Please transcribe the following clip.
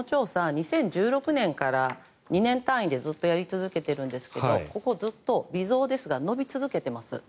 ２０１６年から２年単位でずっとやり続けているんですがここずっと、微増ですが伸び続けています。